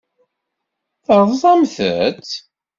Terẓamt-tt.